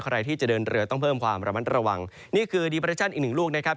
ใครที่จะเดินเรือต้องเพิ่มความระมัดระวังนี่คือดีเปรชั่นอีกหนึ่งลูกนะครับ